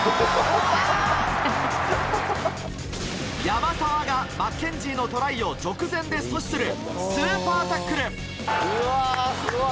山沢がマッケンジーのトライを直前で阻止するスーパータックル。